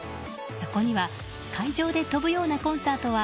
そこには会場で飛ぶようなコンサートは